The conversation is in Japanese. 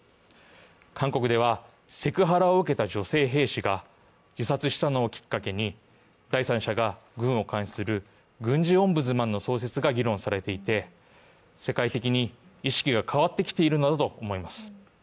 韓国では、セクハラを受けた女性兵士が自殺したのをきっかけに第三者が軍を監視する軍事オンブズマンの創設が議論されていて、世界的に意識が変わってきていると思います。